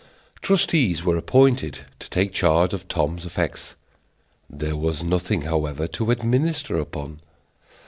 Trustees were appointed to take charge of Tom's effects. There was nothing, however, to administer upon.